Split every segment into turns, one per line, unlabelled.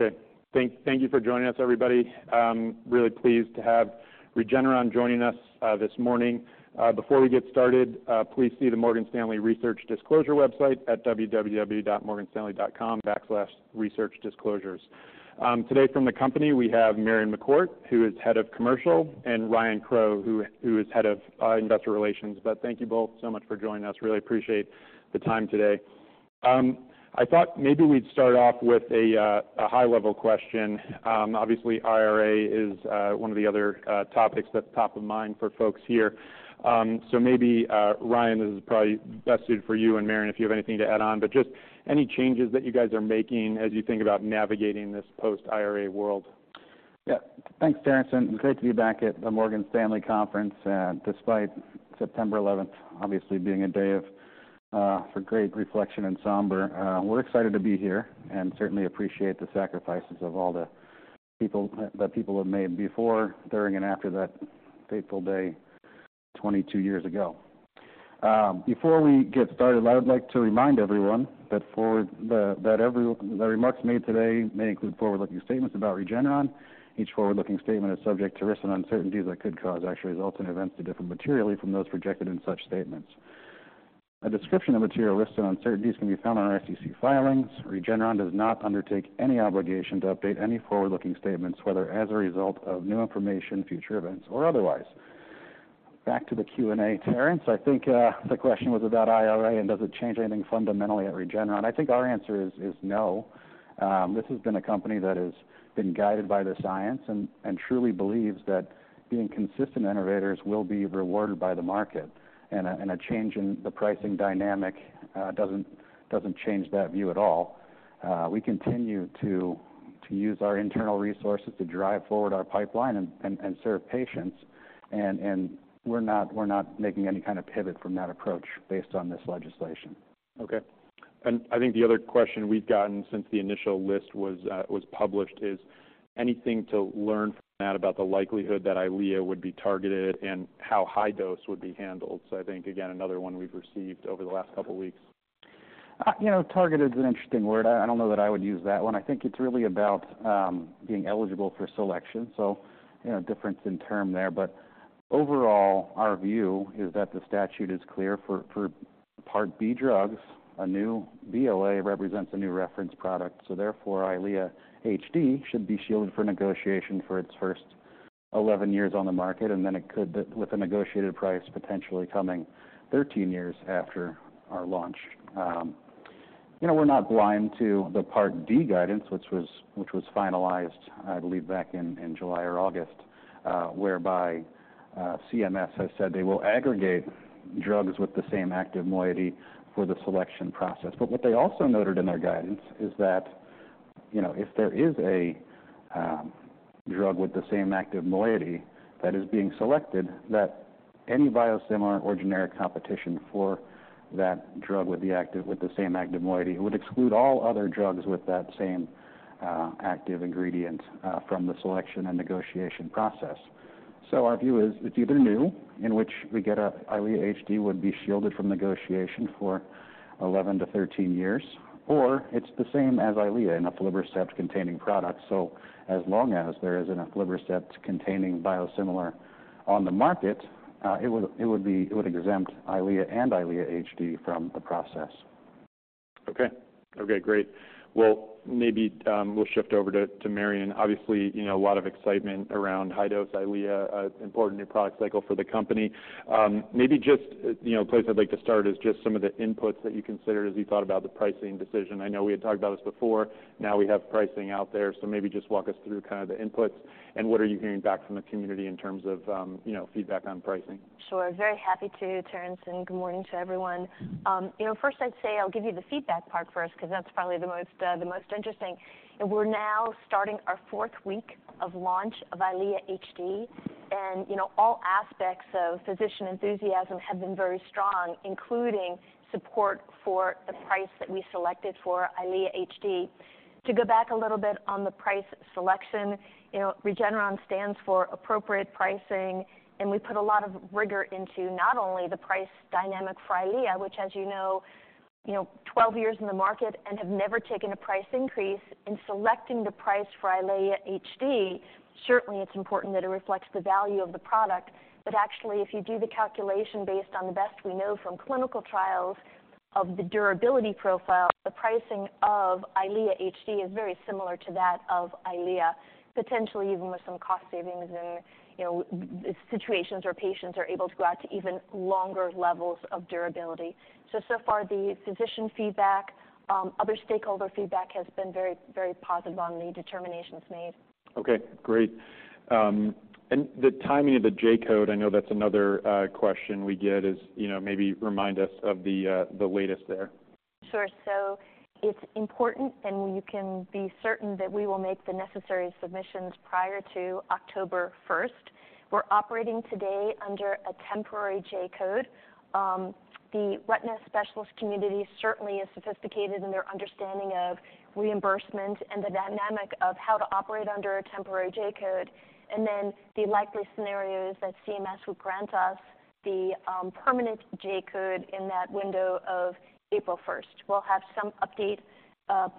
Okay. Thank you for joining us, everybody. Really pleased to have Regeneron joining us this morning. Before we get started, please see the Morgan Stanley Research Disclosure website at www.morganstanley.com/researchdisclosures. Today from the company, we have Marion McCourt, who is Head of Commercial, and Ryan Crowe, who is Head of Investor Relations. But thank you both so much for joining us. Really appreciate the time today. I thought maybe we'd start off with a high-level question. Obviously, IRA is one of the other topics that's top of mind for folks here. So maybe, Ryan, this is probably best suited for you and, Marion, if you have anything to add on, but just any changes that you guys are making as you think about navigating this post-IRA world?
Yeah. Thanks, Terence, and great to be back at the Morgan Stanley conference. Despite September 11 obviously being a day of for great reflection and somber, we're excited to be here and certainly appreciate the sacrifices of all the people that people have made before, during, and after that fateful day, 22 years ago. Before we get started, I would like to remind everyone that the remarks made today may include forward-looking statements about Regeneron. Each forward-looking statement is subject to risks and uncertainties that could cause actual results and events to differ materially from those projected in such statements. A description of material risks and uncertainties can be found on our SEC filings. Regeneron does not undertake any obligation to update any forward-looking statements, whether as a result of new information, future events, or otherwise. Back to the Q&A, Terence. I think, the question was about IRA and does it change anything fundamentally at Regeneron? I think our answer is no. This has been a company that has been guided by the science and truly believes that being consistent innovators will be rewarded by the market. And a change in the pricing dynamic doesn't change that view at all. We continue to use our internal resources to drive forward our pipeline and serve patients, and we're not making any kind of pivot from that approach based on this legislation.
Okay. And I think the other question we've gotten since the initial list was published is, anything to learn from that about the likelihood that EYLEA would be targeted and how high dose would be handled? So I think, again, another one we've received over the last couple weeks.
You know, targeted is an interesting word. I don't know that I would use that one. I think it's really about being eligible for selection, so, you know, difference in term there. But overall, our view is that the statute is clear for Part B drugs, a new BLA represents a new reference product, so therefore, EYLEA HD should be shielded for negotiation for its first 11 years on the market, and then it could, with a negotiated price, potentially coming 13 years after our launch. You know, we're not blind to the Part D guidance, which was finalized, I believe, back in July or August, whereby CMS has said they will aggregate drugs with the same active moiety for the selection process. But what they also noted in their guidance is that, you know, if there is a drug with the same active moiety that is being selected, that any biosimilar or generic competition for that drug with the active—with the same active moiety, would exclude all other drugs with that same active ingredient from the selection and negotiation process. So, our view is it's either new, in which we get a EYLEA HD would be shielded from negotiation for 11 to 13 years, or it's the same as EYLEA, an aflibercept-containing product. So as long as there is an aflibercept-containing biosimilar on the market, it would exempt EYLEA and EYLEA HD from the process.
Okay. Okay, great. Well, maybe we'll shift over to Marion. Obviously, you know, a lot of excitement around high dose EYLEA, important new product cycle for the company. Maybe just, you know, a place I'd like to start is just some of the inputs that you considered as you thought about the pricing decision. I know we had talked about this before. Now we have pricing out there, so maybe just walk us through kind of the inputs and what are you hearing back from the community in terms of, you know, feedback on pricing?
Sure. Very happy to, Terence, and good morning to everyone. You know, first I'd say I'll give you the feedback part first, 'cause that's probably the most, the most interesting. And we're now starting our fourth week of launch of EYLEA HD, and, you know, all aspects of physician enthusiasm have been very strong, including support for the price that we selected for EYLEA HD. To go back a little bit on the price selection, you know, Regeneron stands for appropriate pricing, and we put a lot of rigor into not only the price dynamic for EYLEA, which, as you know, you know, 12 years in the market and have never taken a price increase. In selecting the price for EYLEA HD, certainly it's important that it reflects the value of the product. But actually, if you do the calculation based on the best we know from clinical trials of the durability profile, the pricing of EYLEA HD is very similar to that of EYLEA, potentially even with some cost savings and, you know, situations where patients are able to go out to even longer levels of durability. So, so far, the physician feedback, other stakeholder feedback has been very, very positive on the determinations made.
Okay, great. The timing of the J-code, I know that's another question we get, is, you know, maybe remind us of the latest there.
Sure. So it's important, and you can be certain that we will make the necessary submissions prior to October first. We're operating today under a temporary J-code. The retina specialist community certainly is sophisticated in their understanding of reimbursement and the dynamic of how to operate under a temporary J-code, and then the likely scenarios that CMS would grant us the permanent J-code in that window of April first. We'll have some update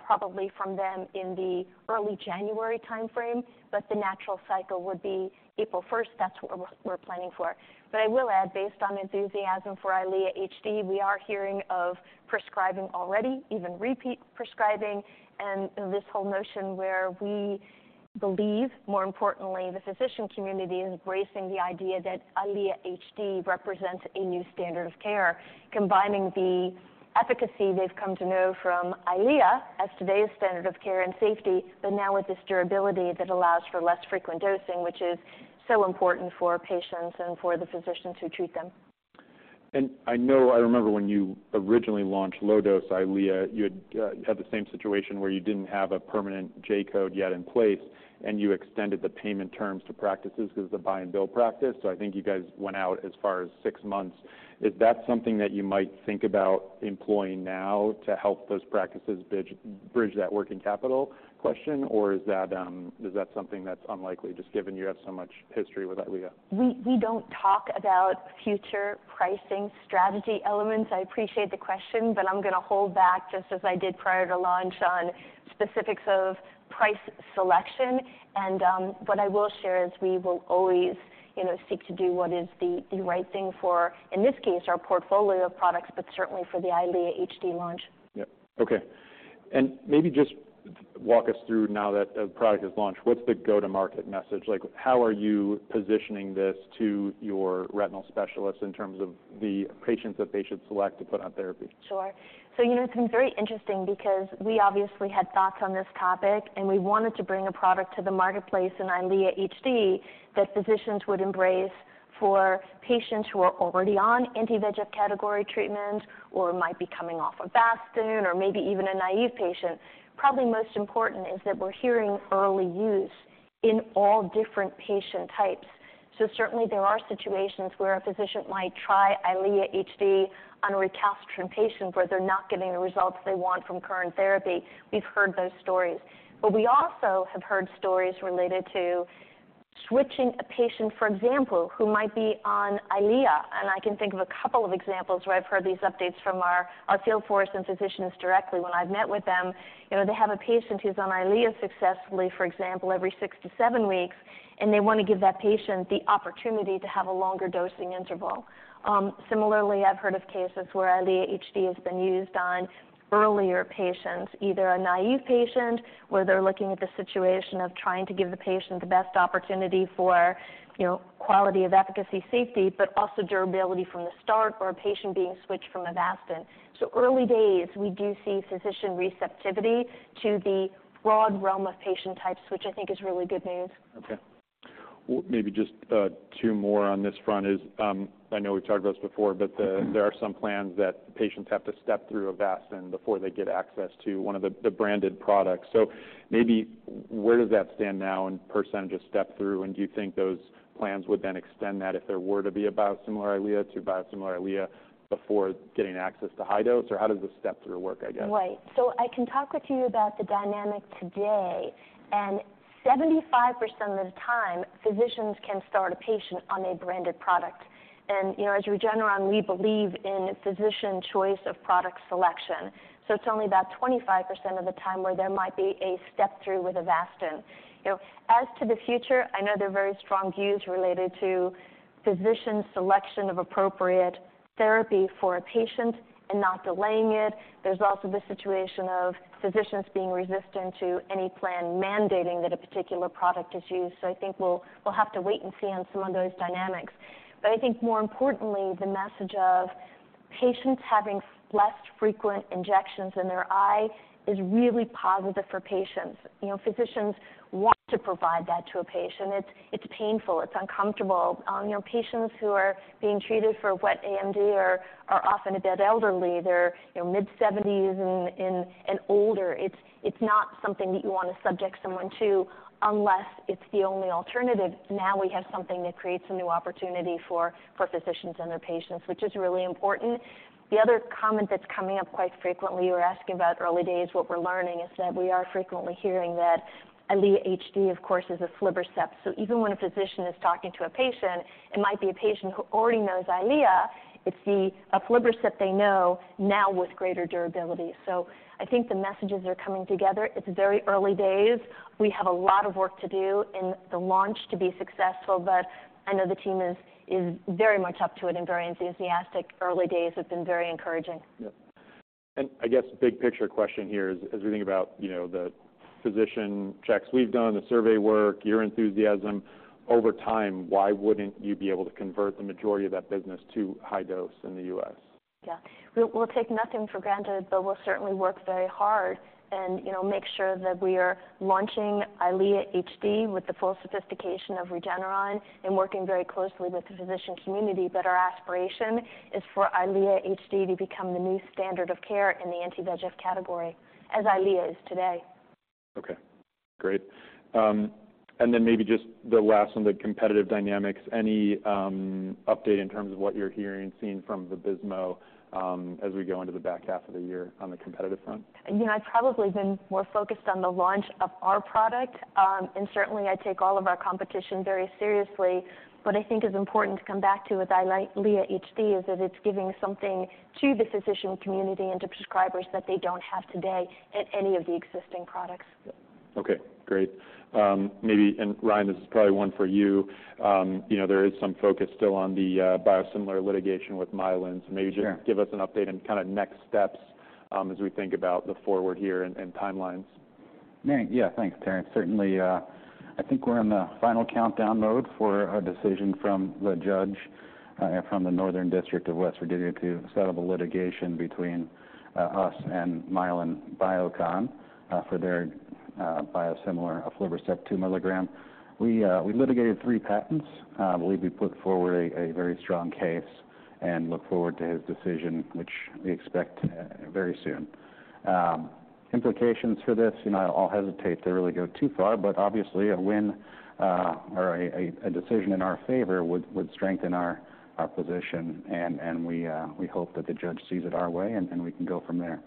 probably from them in the early January time frame, but the natural cycle would be April first. That's what we're planning for. But I will add, based on enthusiasm for EYLEA HD, we are hearing of prescribing already, even repeat prescribing, and this whole notion where we believe, more importantly, the physician community is embracing the idea that EYLEA HD represents a new standard of care, combining the efficacy they've come to know from EYLEA as today's standard of care and safety, but now with this durability that allows for less frequent dosing, which is so important for patients and for the physicians who treat them.
And I know, I remember when you originally launched low-dose EYLEA, you had had the same situation where you didn't have a permanent J-code yet in place, and you extended the payment terms to practices because the buy and bill practice. So I think you guys went out as far as six months. Is that something that you might think about employing now to help those practices bridge that working capital question, or is that, is that something that's unlikely, just given you have so much history with EYLEA?
We don't talk about future pricing strategy elements. I appreciate the question, but I'm gonna hold back, just as I did prior to launch, on specifics of price selection. And what I will share is we will always, you know, seek to do what is the right thing for, in this case, our portfolio of products, but certainly for the EYLEA HD launch.
Yep. Okay. And maybe just walk us through, now that the product is launched, what's the go-to-market message like? How are you positioning this to your retinal specialists in terms of the patients that they should select to put on therapy?
Sure. So, you know, it's been very interesting because we obviously had thoughts on this topic, and we wanted to bring a product to the marketplace in EYLEA HD that physicians would embrace for patients who are already on anti-VEGF category treatment or might be coming off Avastin or maybe even a naive patient. Probably most important is that we're hearing early use in all different patient types. So certainly there are situations where a physician might try EYLEA HD on a recalcitrant patient, where they're not getting the results they want from current therapy. We've heard those stories. But we also have heard stories related to switching a patient, for example, who might be on EYLEA, and I can think of a couple of examples where I've heard these updates from our field force and physicians directly. When I've met with them, you know, they have a patient who's on EYLEA successfully, for example, every six to seven weeks, and they want to give that patient the opportunity to have a longer dosing interval. Similarly, I've heard of cases where EYLEA HD has been used on earlier patients, either a naive patient, where they're looking at the situation of trying to give the patient the best opportunity for, you know, quality of efficacy, safety, but also durability from the start, or a patient being switched from Avastin. So early days, we do see physician receptivity to the broad realm of patient types, which I think is really good news.
Okay. Well, maybe just two more on this front is, I know we've talked about this before, but there are some plans that patients have to step through Avastin before they get access to one of the branded products. So maybe where does that stand now in percentage of step-through, and do you think those plans would then extend that if there were to be a biosimilar EYLEA to biosimilar EYLEA before getting access to high dose? Or how does the step-through work, I guess?
Right. So I can talk with you about the dynamic today, and 75% of the time, physicians can start a patient on a branded product. And, you know, as Regeneron, we believe in physician choice of product selection. So it's only about 25% of the time where there might be a step-through with Avastin. You know, as to the future, I know there are very strong views related to physician selection of appropriate therapy for a patient and not delaying it. There's also the situation of physicians being resistant to any plan mandating that a particular product is used. So I think we'll, we'll have to wait and see on some of those dynamics. But I think more importantly, the message of patients having less frequent injections in their eye is really positive for patients. You know, physicians want to provide that to a patient. It's painful, it's uncomfortable. You know, patients who are being treated for wet AMD are often a bit elderly. They're, you know, mid-seventies and older. It's not something that you want to subject someone to unless it's the only alternative. Now we have something that creates a new opportunity for physicians and their patients, which is really important. The other comment that's coming up quite frequently, you were asking about early days, what we're learning is that we are frequently hearing that EYLEA HD, of course, is an aflibercept. So even when a physician is talking to a patient, it might be a patient who already knows EYLEA. It's the aflibercept they know now with greater durability. So, I think the messages are coming together. It's very early days. We have a lot of work to do in the launch to be successful, but I know the team is very much up to it and very enthusiastic. Early days have been very encouraging.
Yep. And I guess the big picture question here is, as we think about, you know, the physician checks we've done, the survey work, your enthusiasm over time, why wouldn't you be able to convert the majority of that business to high dose in the US?
Yeah. We'll take nothing for granted, but we'll certainly work very hard and, you know, make sure that we are launching EYLEA HD with the full sophistication of Regeneron and working very closely with the physician community. But our aspiration is for EYLEA HD to become the new standard of care in the anti-VEGF category, as EYLEA is today.
Okay, great. And then maybe just the last on the competitive dynamics, any update in terms of what you're hearing and seeing from the Vabysmo, as we go into the back half of the year on the competitive front?
You know, I've probably been more focused on the launch of our product. Certainly, I take all of our competition very seriously. What I think is important to come back to with EYLEA HD is that it's giving something to the physician community and to prescribers that they don't have today in any of the existing products.
Okay, great. Maybe, and Ryan, this is probably one for you. You know, there is some focus still on the biosimilar litigation with Mylan.
Sure.
So maybe just give us an update and kind of next steps, as we think about the forward here and, and timelines.
Yeah. Yeah, thanks, Terence. Certainly, I think we're in the final countdown mode for a decision from the judge, from the Northern District of West Virginia to settle the litigation between us and Mylan and Biocon, for their biosimilar of aflibercept 2 mg. We, we litigated three patents. I believe we put forward a very strong case and look forward to his decision, which we expect very soon. Implications for this, you know, I'll hesitate to really go too far, but obviously, a win or a decision in our favor would strengthen our position, and we hope that the judge sees it our way and we can go from there.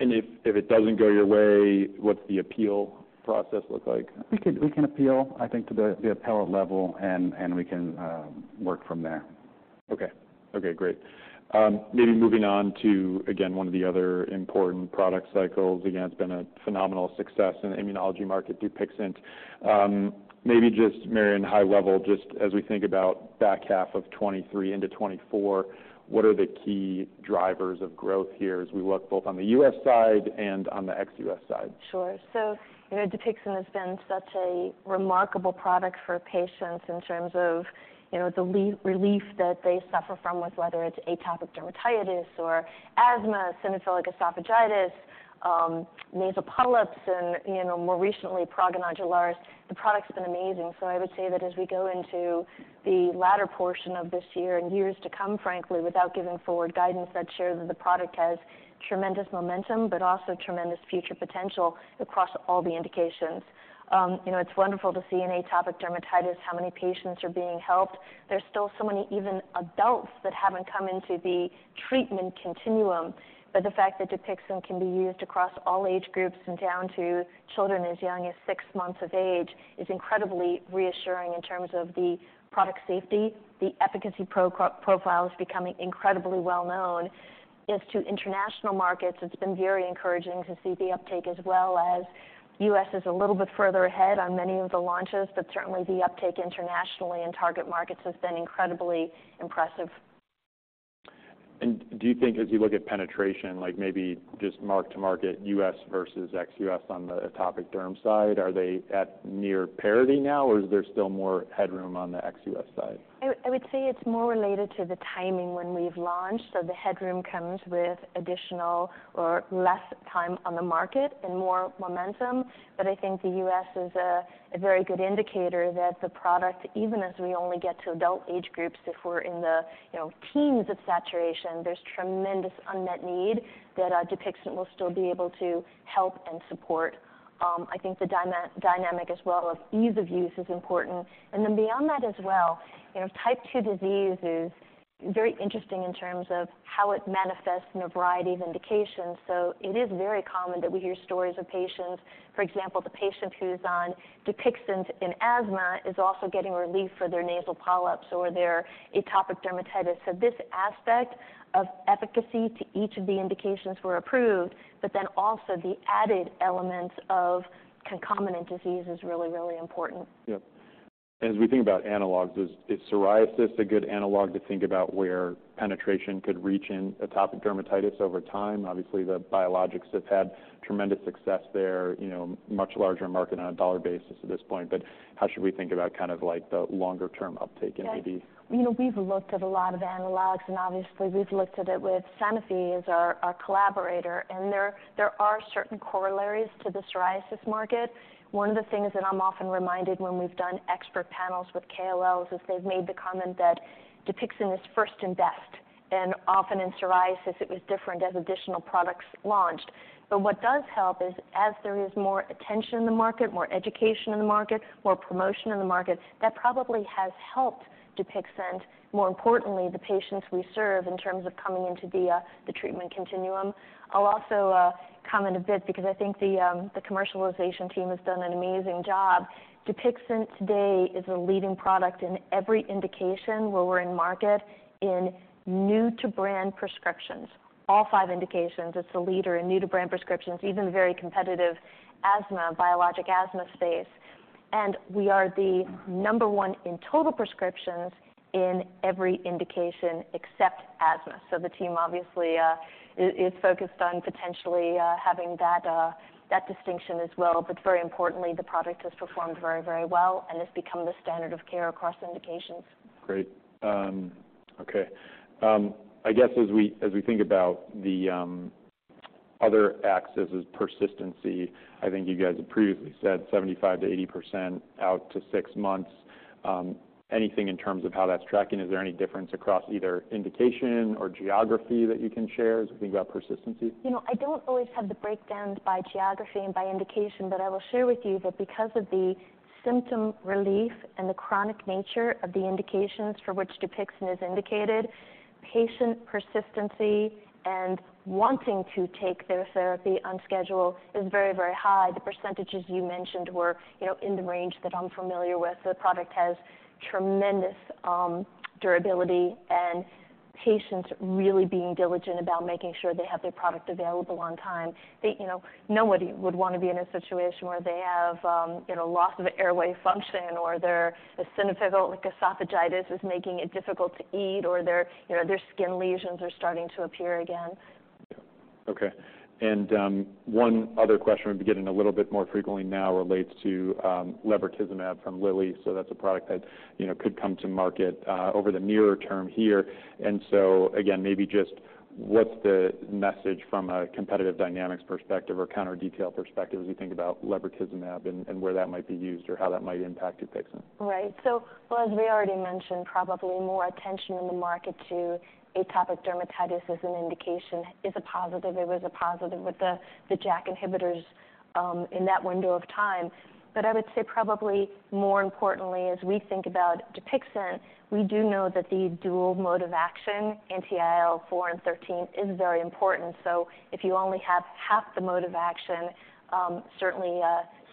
If it doesn't go your way, what's the appeal process look like?
We can appeal, I think, to the appellate level, and we can work from there.
Okay. Okay, great. Maybe moving on to, again, one of the other important product cycles. Again, it's been a phenomenal success in the immunology market, Dupixent. Maybe just, Marion, high level, just as we think about back half of 2023 into 2024, what are the key drivers of growth here as we look both on the US side and on the ex-US side?
Sure. So, you know, Dupixent has been such a remarkable product for patients in terms of, you know, the relief that they suffer from, with whether it's atopic dermatitis or asthma, eosinophilic esophagitis, nasal polyps and, you know, more recently, prurigo nodularis. The product's been amazing. So I would say that as we go into the latter portion of this year and years to come, frankly, without giving forward guidance, I'd share that the product has tremendous momentum, but also tremendous future potential across all the indications. You know, it's wonderful to see in atopic dermatitis how many patients are being helped. There's still so many, even adults, that haven't come into the treatment continuum. But the fact that Dupixent can be used across all age groups and down to children as young as six months of age, is incredibly reassuring in terms of the product safety. The efficacy profile is becoming incredibly well known. As to international markets, it's been very encouraging to see the uptake as well as US is a little bit further ahead on many of the launches, but certainly, the uptake internationally in target markets has been incredibly impressive.
Do you think as you look at penetration, like maybe just mark to market US versus ex-US on the atopic derm side, are they at near parity now, or is there still more headroom on the ex-US side?
I would say it's more related to the timing when we've launched, so the headroom comes with additional or less time on the market and more momentum. But I think the US is a very good indicator that the product, even as we only get to adult age groups, if we're in the, you know, teens of saturation, there's tremendous unmet need that Dupixent will still be able to help and support. I think the dynamic as well of ease of use is important. And then beyond that as well, you know, type 2 disease is very interesting in terms of how it manifests in a variety of indications. So, it is very common that we hear stories of patients. For example, the patient who's on Dupixent in asthma is also getting relief for their nasal polyps or their atopic dermatitis. This aspect of efficacy to each of the indications were approved, but then also the added elements of concomitant disease is really, really important.
Yep. As we think about analogs, is psoriasis a good analog to think about where penetration could reach in atopic dermatitis over time? Obviously, the biologics have had tremendous success there, you know, much larger market on a dollar basis at this point. But how should we think about kind of like the longer-term uptake in AD?
You know, we've looked at a lot of analogs, and obviously, we've looked at it with Sanofi as our collaborator, and there are certain corollaries to the psoriasis market. One of the things that I'm often reminded when we've done expert panels with KOLs is they've made the comment that Dupixent is first and best, and often in psoriasis, it was different as additional products launched. But what does help is, as there is more attention in the market, more education in the market, more promotion in the market, that probably has helped Dupixent, more importantly, the patients we serve in terms of coming into the treatment continuum. I'll also comment a bit because I think the commercialization team has done an amazing job. Dupixent today is a leading product in every indication where we're in market in new to brand prescriptions. All five indications, it's the leader in new to brand prescriptions, even very competitive asthma, biologic asthma space. And we are the number one in total prescriptions in every indication except asthma. So the team obviously is focused on potentially having that distinction as well. But very importantly, the product has performed very, very well and has become the standard of care across indications.
Great. Okay. I guess as we think about the other axis is persistency. I think you guys have previously said 75% to 80% out to six months. Anything in terms of how that's tracking. Is there any difference across either indication or geography that you can share as we think about persistency?
You know, I don't always have the breakdowns by geography and by indication, but I will share with you that because of the symptom relief and the chronic nature of the indications for which Dupixent is indicated, patient persistency and wanting to take their therapy on schedule is very, very high. The percentages you mentioned were, you know, in the range that I'm familiar with. The product has tremendous durability and patients really being diligent about making sure they have their product available on time. They, you know, nobody would wanna be in a situation where they have, you know, loss of airway function, or their eosinophilic esophagitis is making it difficult to eat, or their, you know, their skin lesions are starting to appear again.
Yeah. Okay. And one other question we've been getting a little bit more frequently now relates to lebrikizumab from Lilly. So that's a product that, you know, could come to market over the nearer term here. And so again, maybe just what's the message from a competitive dynamics perspective or counter detail perspective as you think about lebrikizumab and where that might be used or how that might impact Dupixent?
Right. So, well, as we already mentioned, probably more attention in the market to atopic dermatitis as an indication is a positive. It was a positive with the JAK inhibitors in that window of time. But I would say probably more importantly, as we think about Dupixent, we do know that the dual mode of action, anti-IL-4 and 13, is very important. So if you only have half the mode of action, certainly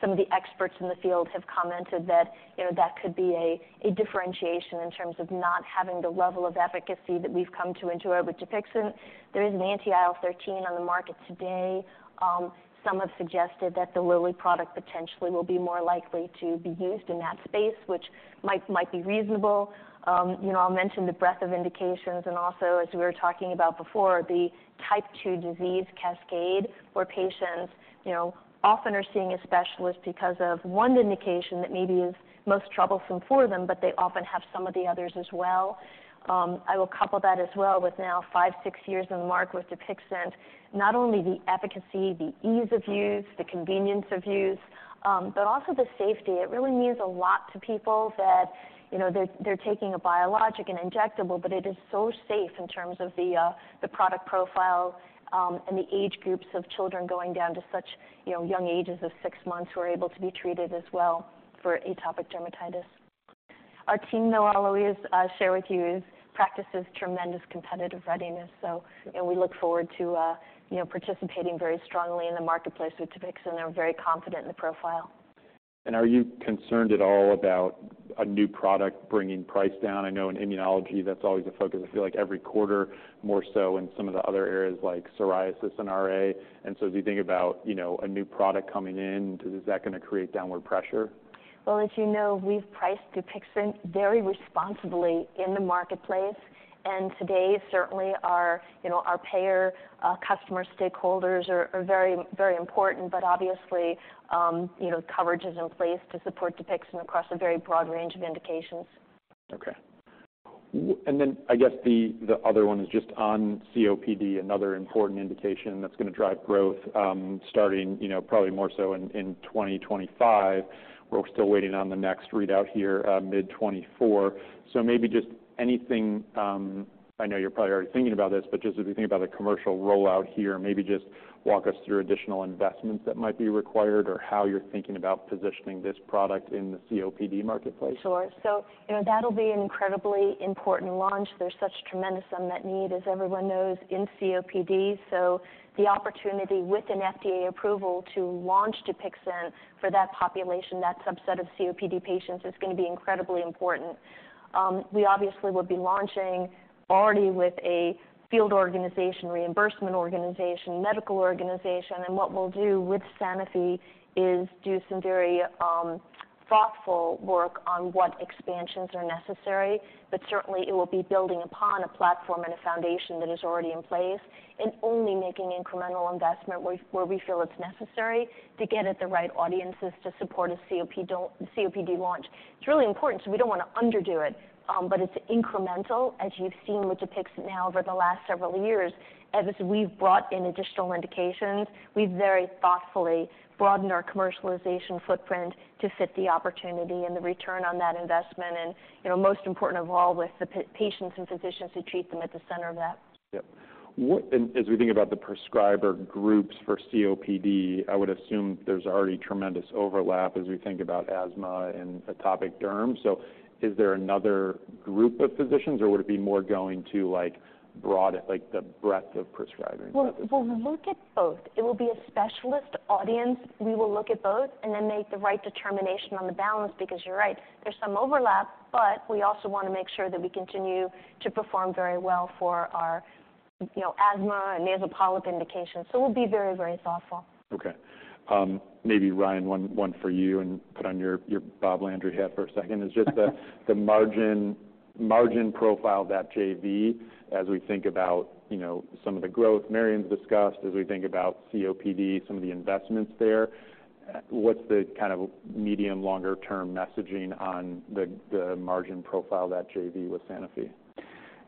some of the experts in the field have commented that, you know, that could be a differentiation in terms of not having the level of efficacy that we've come to enjoy with Dupixent. There is an anti-IL-13 on the market today. Some have suggested that the Lilly product potentially will be more likely to be used in that space, which might be reasonable. You know, I'll mention the breadth of indications, and also, as we were talking about before, the type 2 disease cascade, where patients, you know, often are seeing a specialist because of one indication that maybe is most troublesome for them, but they often have some of the others as well. I will couple that as well with now five, six years in the mark with Dupixent, not only the efficacy, the ease of use, the convenience of use, but also the safety. It really means a lot to people that, you know, they're, they're taking a biologic and injectable, but it is so safe in terms of the, the product profile, and the age groups of children going down to such, you know, young ages of six months, who are able to be treated as well for atopic dermatitis. Our team, though, I'll always share with you, practices tremendous competitive readiness. So, you know, we look forward to, you know, participating very strongly in the marketplace with Dupixent, and they're very confident in the profile.
Are you concerned at all about a new product bringing price down? I know in immunology, that's always a focus. I feel like every quarter, more so in some of the other areas like psoriasis and RA. So as you think about, you know, a new product coming in, is that gonna create downward pressure?
Well, as you know, we've priced Dupixent very responsibly in the marketplace, and today, certainly our, you know, our payer customer stakeholders are very, very important. But obviously, you know, coverage is in place to support Dupixent across a very broad range of indications.
Okay. And then I guess the other one is just on COPD, another important indication that's gonna drive growth, starting, you know, probably more so in 2025. We're still waiting on the next readout here, mid 2024. So maybe just anything, I know you're probably already thinking about this, but just as we think about a commercial rollout here, maybe just walk us through additional investments that might be required or how you're thinking about positioning this product in the COPD marketplace.
Sure. So, you know, that'll be an incredibly important launch. There's such tremendous unmet need, as everyone knows, in COPD. So the opportunity with an FDA approval to launch Dupixent for that population, that subset of COPD patients, is gonna be incredibly important. We obviously will be launching already with a field organization, reimbursement organization, medical organization, and what we'll do with Sanofi is do some very thoughtful work on what expansions are necessary. But certainly, it will be building upon a platform and a foundation that is already in place and only making incremental investment where we feel it's necessary to get at the right audiences to support a COPD launch. It's really important, so we don't wanna underdo it, but it's incremental, as you've seen with Dupixent now over the last several years. As we've brought in additional indications, we've very thoughtfully broadened our commercialization footprint to fit the opportunity and the return on that investment, and, you know, most important of all, with the patients and physicians who treat them at the center of that.
Yep. And as we think about the prescriber groups for COPD, I would assume there's already tremendous overlap as we think about asthma and atopic derm. So is there another group of physicians, or would it be more going to, like, broad, like, the breadth of prescribers?
Well, we'll look at both. It will be a specialist audience. We will look at both and then make the right determination on the balance, because you're right, there's some overlap, but we also wanna make sure that we continue to perform very well for our, you know, asthma and nasal polyp indications. So we'll be very, very thoughtful.
Okay. Maybe, Ryan, one for you, and put on your Bob Landry hat for a second. It's just the margin profile of that JV as we think about, you know, some of the growth Marion's discussed, as we think about COPD, some of the investments there. What's the kind of medium- to longer-term messaging on the margin profile of that JV with Sanofi?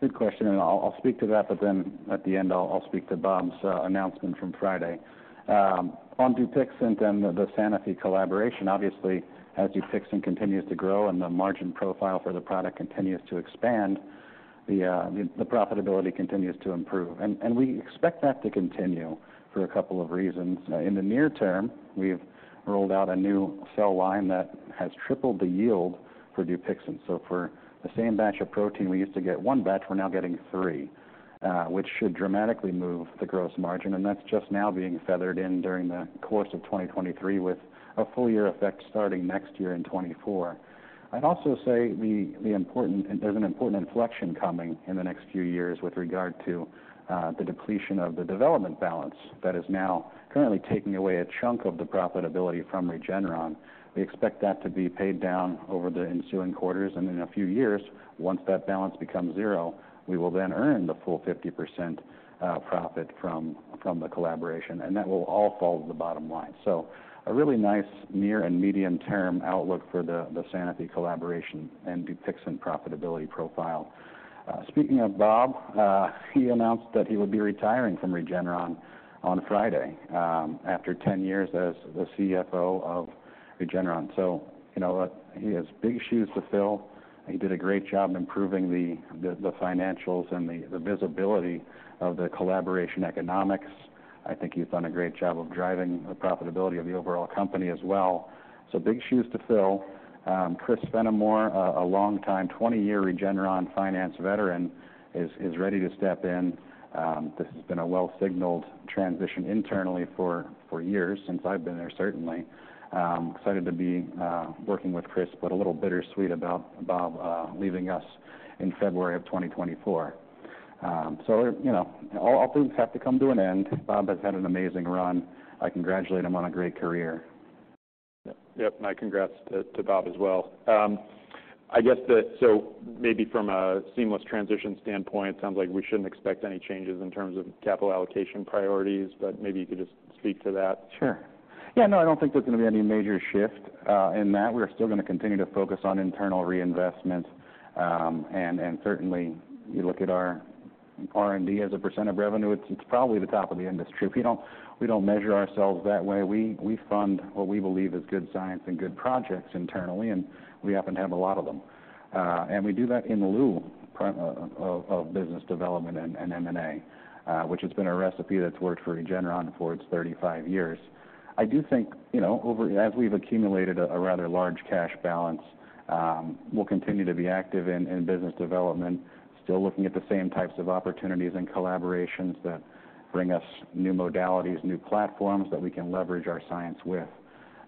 Good question, and I'll, I'll speak to that, but then at the end, I'll, I'll speak to Bob's announcement from Friday. On Dupixent and the Sanofi collaboration, obviously, as Dupixent continues to grow and the margin profile for the product continues to expand, the profitability continues to improve. We expect that to continue for a couple of reasons. In the near term, we've rolled out a new cell line that has tripled the yield for Dupixent. So for the same batch of protein, we used to get one batch, we're now getting three, which should dramatically move the gross margin, and that's just now being feathered in during the course of 2023, with a full year effect starting next year in 2024. I'd also say there's an important inflection coming in the next few years with regard to the depletion of the development balance that is now currently taking away a chunk of the profitability from Regeneron. We expect that to be paid down over the ensuing quarters, and in a few years, once that balance becomes zero, we will then earn the full 50% profit from the collaboration, and that will all fall to the bottom line. So a really nice near and medium-term outlook for the Sanofi collaboration and Dupixent profitability profile. Speaking of Bob, he announced that he would be retiring from Regeneron on Friday after 10 years as the CFO of Regeneron. So, you know, he has big shoes to fill. He did a great job improving the financials and the visibility of the collaboration economics. I think he's done a great job of driving the profitability of the overall company as well. So big shoes to fill. Chris Fenimore, a longtime, 20-year Regeneron finance veteran, is ready to step in. This has been a well-signaled transition internally for years, since I've been there, certainly. Excited to be working with Chris, but a little bittersweet about Bob leaving us in February of 2024. So, you know, all things have to come to an end. Bob has had an amazing run. I congratulate him on a great career.
Yep, my congrats to Bob as well. I guess so maybe from a seamless transition standpoint, it sounds like we shouldn't expect any changes in terms of capital allocation priorities, but maybe you could just speak to that.
Sure. Yeah, no, I don't think there's going to be any major shift in that. We're still going to continue to focus on internal reinvestment. Certainly, you look at our R&D as a percent of revenue. It's probably the top of the industry. We don't measure ourselves that way. We fund what we believe is good science and good projects internally, and we happen to have a lot of them. We do that in lieu of business development and M&A, which has been a recipe that's worked for Regeneron for its 35 years. I do think, you know, over as we've accumulated a rather large cash balance, we'll continue to be active in business development, still looking at the same types of opportunities and collaborations that bring us new modalities, new platforms that we can leverage our science with.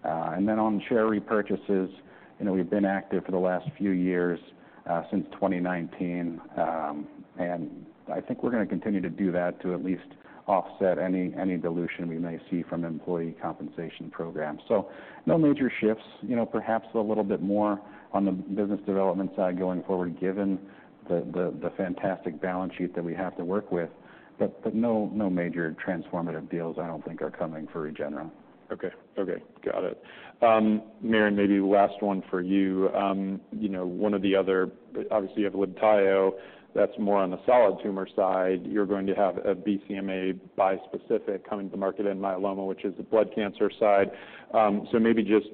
And then on share repurchases, you know, we've been active for the last few years since 2019, and I think we're going to continue to do that to at least offset any dilution we may see from employee compensation programs. So no major shifts, you know, perhaps a little bit more on the business development side going forward, given the fantastic balance sheet that we have to work with, but no major transformative deals I don't think are coming for Regeneron.
Okay. Okay, got it. Marion, maybe last one for you. You know, one of the other obviously, you have Libtayo, that's more on the solid tumor side. You're going to have a BCMA bispecific coming to market in myeloma, which is the blood cancer side. So maybe just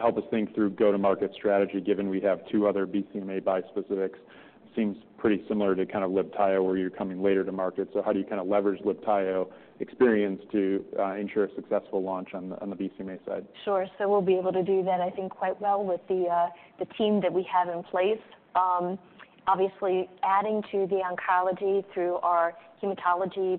help us think through go-to-market strategy, given we have two other BCMA bispecifics. Seems pretty similar to kind of Libtayo, where you're coming later to market. So how do you kind of leverage Libtayo experience to ensure a successful launch on the, on the BCMA side?
Sure. So we'll be able to do that, I think, quite well with the team that we have in place. Obviously, adding to the oncology through our hematology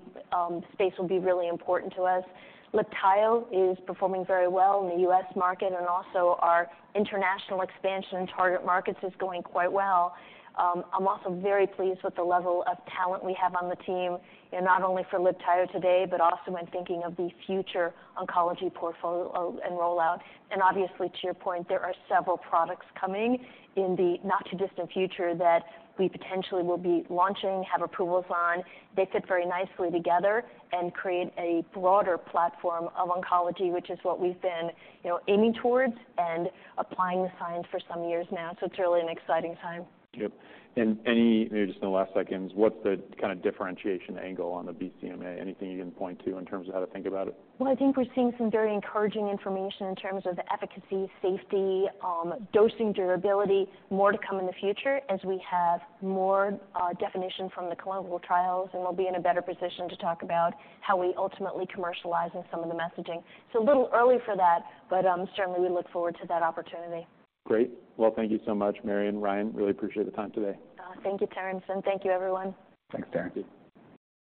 space will be really important to us. Libtayo is performing very well in the US market, and also our international expansion in target markets is going quite well. I'm also very pleased with the level of talent we have on the team, and not only for Libtayo today, but also when thinking of the future oncology portfolio and rollout. And obviously, to your point, there are several products coming in the not-too-distant future that we potentially will be launching, have approvals on. They fit very nicely together and create a broader platform of oncology, which is what we've been, you know, aiming towards and applying the science for some years now. So it's really an exciting time.
Yep. And any, maybe just in the last seconds, what's the kind of differentiation angle on the BCMA? Anything you can point to in terms of how to think about it?
Well, I think we're seeing some very encouraging information in terms of efficacy, safety, dosing, durability. More to come in the future as we have more definition from the clinical trials, and we'll be in a better position to talk about how we ultimately commercialize in some of the messaging. So a little early for that, but certainly we look forward to that opportunity.
Great. Well, thank you so much, Marion and Ryan. Really appreciate the time today.
Thank you... [inaudible] and thank you, everyone.
Thanks... [inaudible]